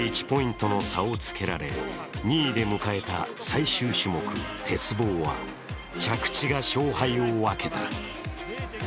０．９０１ポイントの差をつけられ２位で迎えた最終種目鉄棒は着地が勝敗を分けた。